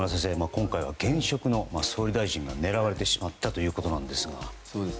今回は現職の総理大臣が狙われてしまったということですが。